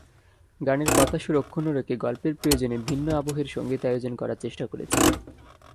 গানের কথা-সুর অক্ষুণ্ন রেখে গল্পের প্রয়োজনে ভিন্ন আবহের সংগীতায়োজন করার চেষ্টা করেছি।